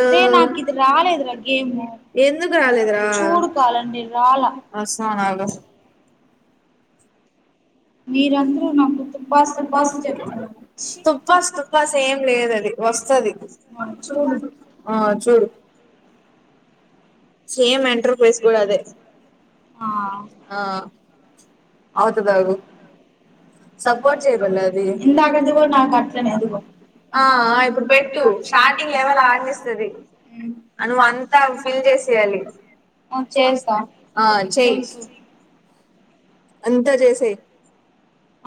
అదే నాకు ఇది రాలేదు రా గేము చూడు కాాలండి రాాల తుప్ప తుప్ప సేమ్ లేద అది వస్తుది చూడు ఆ చూడు సేమ్ ఇంటర్ఫేస్ కూడా అదే ఆ ఆదు గదు ఇందాకటిది కూడా నాకు అట్లనే అదిగో ఆ ఆ ఇప్పుడు పెట్టు షాటింగ్లో ఏమో అల అనిపిస్తుంది ఉమ్ నువ్వంత సీరియస్ గ ఆ చేస్తా ఆ చేసు అంత చేసే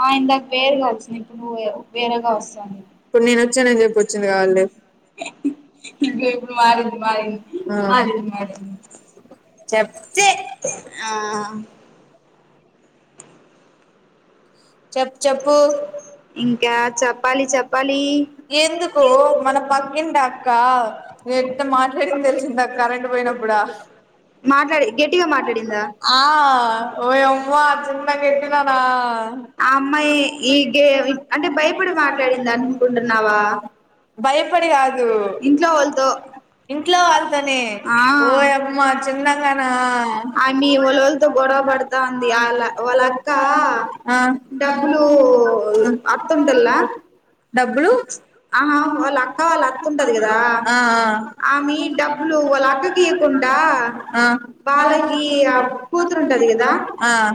ఆ ఇందాక వేరుగా వచ్చింది ఇప్పుడు వేరేగా వస్తుంది ఉమ్ చెప్తేే ఆ చెప్పు చెప్పు ఎందుకు మన పక్కింటి అక్క ఎట్ట మాట్లాడింది తెలుసా ఇందాక కరెంట్ పోయినప్పుడు ఆ ఓ యమ్మా చిన్నగెట్టినాన అమ్మాయి ఈ గే అంటే భయపడి మాట్లాడింది అనుకుంటున్నావా భయపడడి కాదు ఇంట్లో వాళ్ళతోనే ఓయమ్మా చిన్నగానా ఆ మీ ఓలోలతో గొడవ పడతాంది ఆల వాళ్ళ వాళ్ళక్క డబ్ ఇప్పుళ్ళు అత్తుంటల్ల డబ్బులు ఆహా వాళ్ళ అక్క వాళ్ళ ఆత్తుంటది కదా ఆ మీ డబ్బులు వాళ్ళ అక్కకి ఇక్ కుండ వాళ్ళకి ఆ కూతురు ఉంటది కదా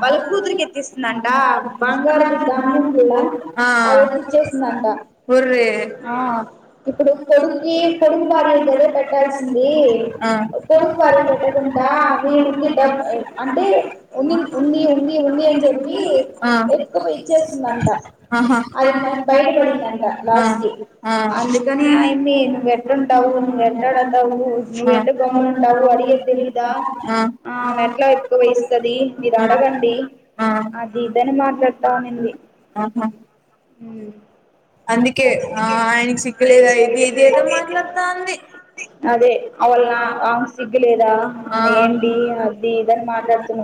వాళ్ళ కూతురికి ఇచ్చేస్ స్తుందంట బంగారుది దండ ఉంటుల్ల అది ఎత్తిచేసిందంట ఆ ఇప్పుడు కొడుక్కీ కొడుకు భార్య కదా పెట్టాల్సింది కొడుకు కు భార్య కి పెట్టకుండా అవి ఉంది డబ్బ అంటే ఉ ఉంది ఉంది ఉంది అని చెప్ ప్పి ఎత్తుక పోయి ఇచ్చేసిందంట అది మ బయటపడిందంట లాస్ట్ కి అందుకని అయమి నువ్వేట్టుంటావు నువ్వేట్టడతావు నువ్వేట్ట గమ్మున ఉంటావు అడిగేదిలీదా ఆమె ఎట్లా ఎత్తుకపోయి ఇస్తది మీరు అడగండి అది అది ఇదని మాట్లాడతా ఉన్నింది అందుకే [inaudible] అదే అ వాళ్ల నా ఆమెకి సిగ్గులేదా ఆమె ఎండీ అది ఇదని మాట్లాడుతున్నా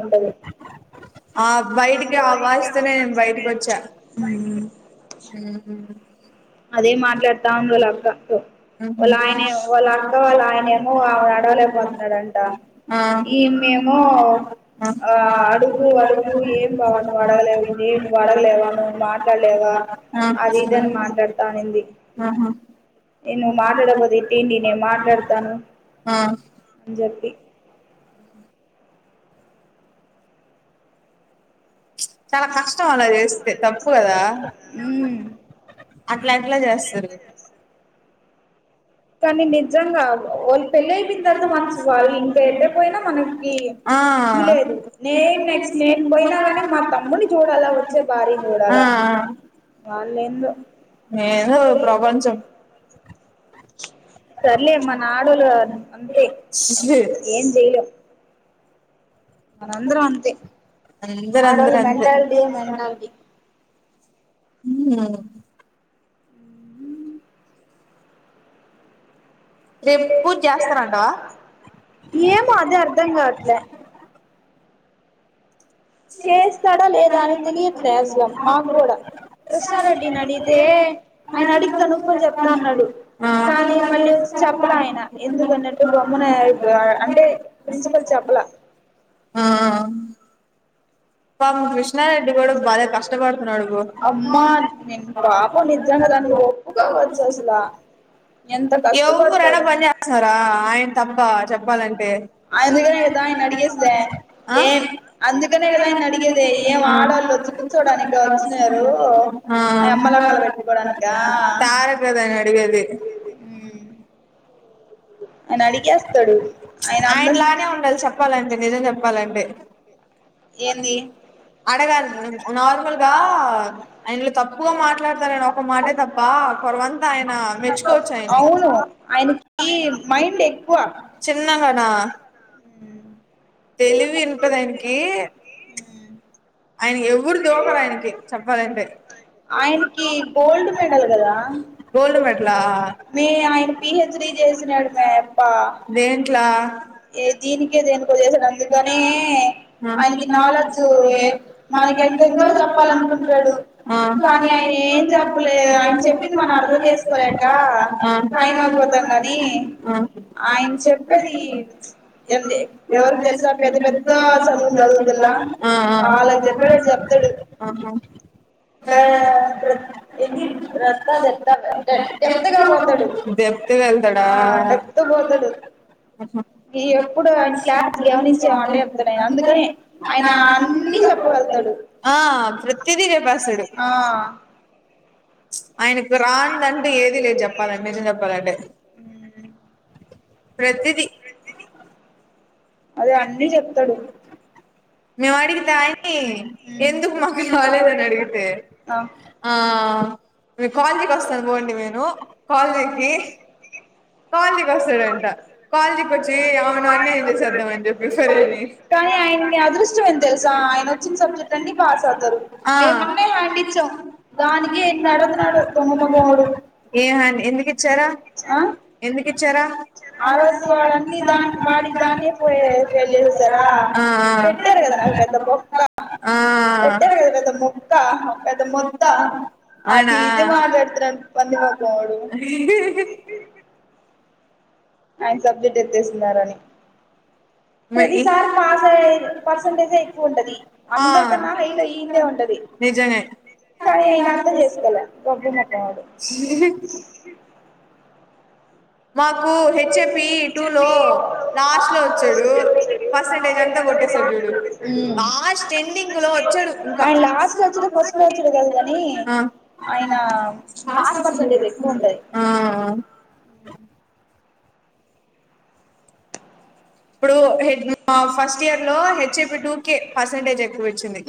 అ ఆ బయటికి ఆ వాయిస్తనే నేను బయటికి వచ్చా ఉమ్ అదే మాట్లాడతా ఉంది వాళ్ళక్క వాళ్ళ ఆయన వాళ్ళ అక్క వాళ్ళ ఆయనేమో ఆ నడవలేకపోతున్నాడంట ఈ యమ్మ ఏమో ఆ అడుగు అడుగు ఏం బావ నువ్వు అడగలేవు ఏం నువ్ అడగలేవా నువ్వు మాట్లాడలేవా అది ఇదని మాట్లాడతాను ఆహా ఎ నువ్ మాట్లాడకపోతే ఇట్టి నే మాట్లాడతాను చెప్పి చాలా కష్టం అలా చేస్తే తప్పు కదా అట్లా ఎట్లా చేస్తరు కానీ నిజంగా వాళ్ళు పెళ్ళి అయిపోయిన తర్వాత వన్స్ వాళ్ళు ఇంకా ఎట్ట పోయినా మనకి ఇది లేదు నేను నెక్స్ట్ నేను పోయినా కాని మా తమ్ముని చూడాలా వచ్చే భార్యని చూడాలా వాళ్ళెందో ఏందో వాళ్ళ ప్రపంచం సర్లే మన ఆడోళ్లు అంతే ఏం చేయలేం మనందరం అంతే ఆడోళ్ళ మెంటాలిటీయే మెంటాలిటీ ఉమ్ ఏమో అదే అర్ధం కావట్లే చేస్తాడా లేదా అని తెలియట్లే అసల మాకు కూడా కృష్ణారెడ్డిని అడిగితే ఆయన అడిగి కనుకొని చెప్తా అన్నాడు కానీ మళ్ళీ చెప్పలా ఆయన ఎందుకు అన్నట్టు గమ్మన అయిపో అంటే ప్రిన్సిపల్ చెప్పలా ఆ పాపం కృష్ణారెడ్డి కూడా బాలే కష్టపడుతున్నాడు పో నువ్వు ఒప్పు కోవచ్చు అసలా ఎవరైనా పని చేస్తున్నారా ఆయన తప్ప చె ఆయందుగానేదా ఆయన్ అడిగేస్తే ఏం అందుకనే కదా ఆయన అడిగేదే ఏం ఆడళొచ్చి కూర్చోడానిక వచ్చినారు అ అమ్మలెక్కలు పెట్టుకోడానికా ఆయనలానే ఉండాలి చెప్పాలంటే నిజం చెప్పాలంటే ఏంది అడగాలి నార్మల్గా ఆయనలో తప్పుగా మాట్లాడతారుని ఒక మాటే తప్ప పరువంతా ఆయన మెచ్చుకోవచ్చు ఆయన్ని చిన న్నగానా తెలివి ఉంటది ఆయనికి ఆయనకి ఎవడు డోకలి ఆయనకి చెప్పాలంటే ఆయనకి గోల్డ్ మెడల్ కదా మే ఆయన పిహెచ్ డి చేసినాడు మే అప్ప ఏ దీనికే దేనికో చేసాడు అందుకనే ఆయనకి నాలెడ్జ్ ఏ మనకి ఎందెందో చెప్పాలనుకుంటాడు కానీ ఆయన ఏం చెప్పలే ఆయన చెప్పింది మనం అర్ధం చేసుకోలేక టైం అయిపో పోతాద్ధన్ని ఆయన చెప్పేది ఎంది ఎవరికి తెలుసా పెద్ద పెద్ద చదువులు చదువుతలా వాళ్ళకి చెప్పేటట్టు చెప్తాడు ఆహా బ ఎన్ని రత్త దత్త ఎత్తగాపోతాదు ఎత్తుకెల్తాడా ఆ ప్రతిధి చెప్పేస్తాడు. ఆయనకు రాని దాంటు ఏది లేదు చెప్పాలంటే నిజం చెప్పాలంటే ప్రతిది అదే అన్నీ చెప్తాడు మేము అడిగితే ఆయని ఎందుకు మమలు కాలేదని అడుగుతాడు ఆ మీ కాలానికి వస్తాను పోండి నేను కాల్ చేసి కాలనికి వస్తాడుంట కాలనికి వచ్చి అవును అన్న ఏం చేస్తాడు చేద్దామని చెప్పి సరే అని ఆ దానికి ఎంది అడు తన్నాడు గమ్మునుండేవాడు ఆ ఆ రోజు వాడు అన్ని దానికి వాడి దాన్ని పోయే ఫెయిల్ చేసేసారా పెట్టారు కదా నాకు పెద్ద బొక్క పెట్టారు కద పెద్ద ముక్క పె పెద్ద ముద్దా అది ఇది మాట్లాడుతును పంది ముఖం వోడు ఆయన సబ్జెక్ట్ ఎత్తేస్తున్నారు అని మే ఆ నిజమే మాకు హెచ్ఎఫి టూ లో లాస్ట్ లో వచ్చాడు పర్సంటేజ్ అంతా కొట్ట చూడు లాస్ట్ ఎండింగ్ లో వచ్చాడు ఇంకా కానీ ఆయన పాస్ పర్సంటేజ్ ఎక్కువ ఉంటుది ఆ ఇప్పుడు హెడ్ మా ఫస్ట్ ఇయర్ లో హెచ్ఐపి టూకె పర్సంటేజ్ ఎక్కువ వచ్చింది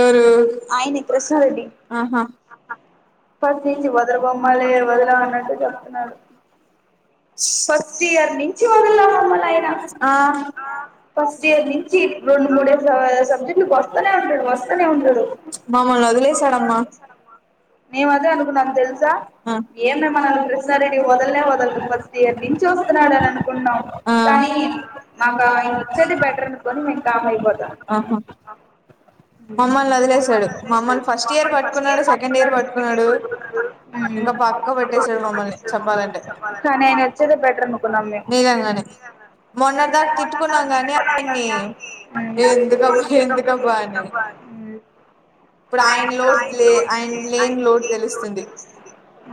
ఎవరు ఆహా పట్ నుంచి వదులి బొమ్మాలి వదల అన్నట్టు చెప్తున్నాడు ఆ ఫస్ట్ ఇయర్ నుంచి ధర్డ్ [unintelligible] వస్తనే ఉన్నాడు వస్తనే ఉన్నాడు మమల్ని వదిలేసదమ్మ నేను అదే అనుకున్నాను తెలుసా ఏమేమన కృష్ణారెడ్డి వదలనే వదలదు ఫస్ట్ ఎరి నుంచి వస్తున్నాడుని అనుకుంటున్నాం కానీ నాకు ఆయన వచ్చేది బెటర్ అనుకని మేము కామ్ అయిపోతాం ఫట్ ఇ నచ్చద పెటర్నుకు నమ్ [unintelligible]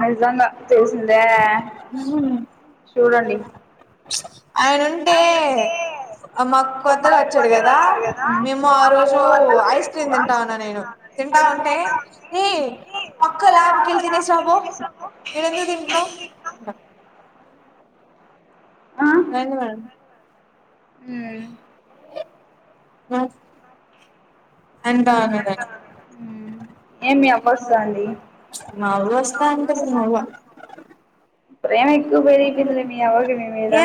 అదిదాంద తెసింద చూడండి ఆయనంటే మాకు కొత్తగా వచ్చాడు కదా మేము ఆ రోజు ఐస్ క్రీమ్ తింటాన్నా నేను తింటా ఉంటే ఏ పక్క లాబ్ కళ్తి తినేసి రా పో ఇడా ఎందుకు తింటనావ్ అ మేడం ఉమ్ ఆ ఎంతా అను మా అవ్వ వస్తా ఉంటది మా అవ్వ ప్రేమ ఎక్కువ పెరిగిపోయింది లే మీ అవును కి నీ మీద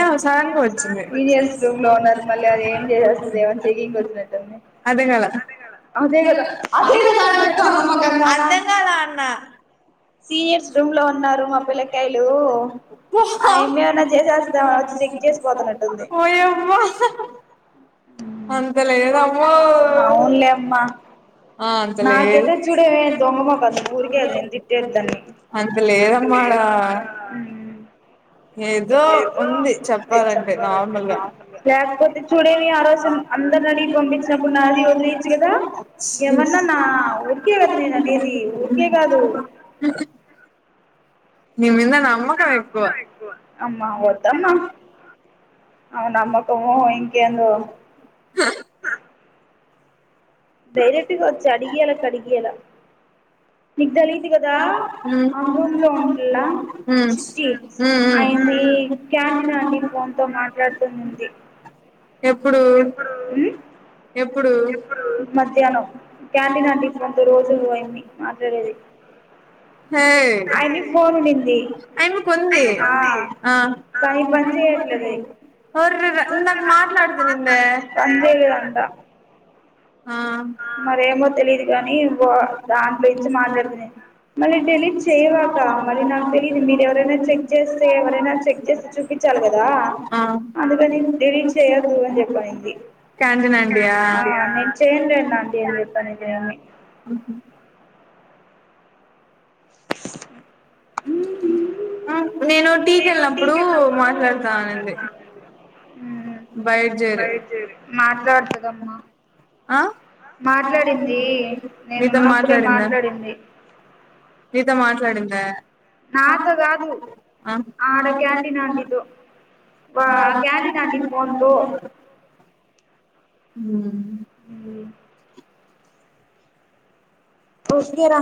సీనియర్స్ రూమ్ లో ఉన్నారు మళ్ళ అది ఏం చేసేస్తుంది ఏమ చెంగ్ నటుంది అదే కాద అర్ధం కల అన్న సీనియర్స్ రూమ్ లో ఉన్నారు మా పిల్లకాయలు అ ఏమేమన్నా చేసేస్తద్దామని వచ్చి చెక్ చేసి పోతున్నట్టుంది అంత లేదమ్మో ఆ అంత లేదు అంతలేడు అమ్మ ఆడ అ లేపోతే చూడవి ఆస అందరు అడిగి పంపించినప్పుడు నా అది వదిలేచ్చు కదా ఎవన్నా నా ఉరికే కదా నేను అడిది ఊకే కాదు అమ్ ఓదమ్మా అవు నమ్మక ఇంకేంద డైరెక్ట్గా వచ్చి అడిగయల అడిగి ఎలా నకు దలి కదా ఆమె రూమ్ లో వుంటాడా చిట్టి ఆయనీ [unintelligible] క్యాంటీన్ ఆంటీ ఫోన్ తో మాట్లాడుతూందంది ఎప్పుడు ఎప్పుడు [unintelligible] హేయ్ ఆయ్మ్మ కుంది. ఆ చేయట్లేదే అర్ర్రేరే ఇందాకా మాట్లాడత్ మాట్లాడు పనిజేయలేదంట మరేమో తెలిదు గాని ఓ దాని గురించి మాట్లాడుత్నే మళ్ళీ డెలీట్ చెయ్యవాక మరీ నాకు తెలిలీదు మీరేవరనేది చెక్ చేస్తే ఎవరైనా చెక్ చేస్తే చూపించ అనిపించాల్గదా అందుకని డిలీట్ చేయొద్దు అని చెప్ప్అనింది. తాంటినండి ఆ అండి ఇది చెప్పు అనింది. మ్మ్ హూ హు నేను టీ కెళ్ళినప్పుడు మాట్లాడతానింది. ఉమ్మ్ మాట్లాడతదమ్మా మాట్లాడింది. నేనున్నప్పుడే మాట్లాడింది. నీతో మాట్లాడిందా నాతో కాదు ఆడ క్యాంటిన్ ఆంటీతో వా క్యాంటీన్ ఆంటీ ఫోన్తో మ్మ్ మ్ వస్తిరా